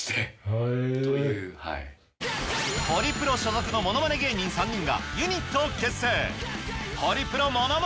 ホリプロ所属のものまね芸人３人がユニットを結成